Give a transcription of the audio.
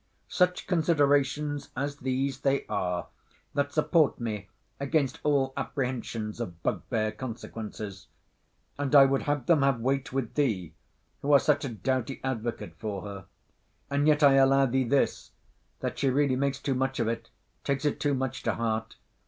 Such considerations as these they are that support me against all apprehensions of bugbear consequences; and I would have them have weight with thee; who are such a doughty advocate for her. And yet I allow thee this; that she really makes too much of it; takes it too much to heart.